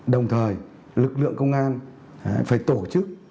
đồng thời lực lượng công an phải tổ chức